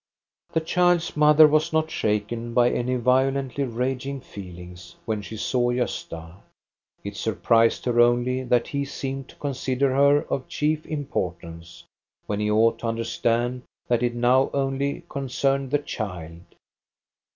The child's mother was not shaken by any violently raging feelings when she saw Gosta. It surprised her only that he seemed to consider her of chief impor tance, when he ought to understand that it now only concerned the child.